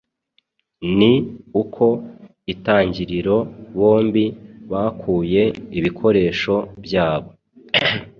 ni uko Itangiriro bombi bakuye ibikoresho byabo